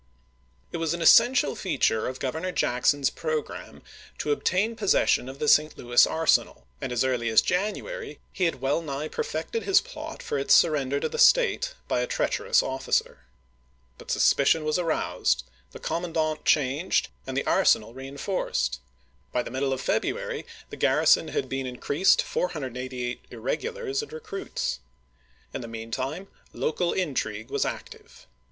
It was an essential feature of Governor Jackson's programme to obtain possession of the St. Louis 1861. arsenal, and as early as January he had well nigh perfected his plot for its surrender to the State by a treacherous officer. But suspicion was aroused, the commandant changed, and the arsenal reen forced ; by the middle of February the garrison had been increased to 488 regulars and recruits. In the mean time local intrigue was active.